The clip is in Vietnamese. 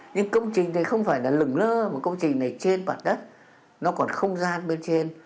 nhưng công trình này không phải là lửng lơ mà công trình này trên bản đất nó còn không gian bên trên